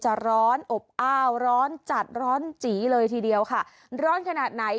จะร้อนอบอ้าวร้อนจัดร้อนจีเลยทีเดียวค่ะร้อนขนาดไหน